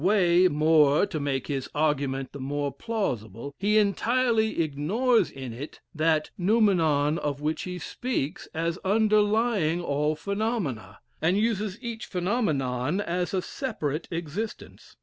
Way, more, to make his argument the more plausible, he entirely ignores in it that noumenon of which he speaks as underlying all phenomena, and uses each phenomenon as a separate existence.